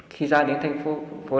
khi ra đến thành phố lạng sơn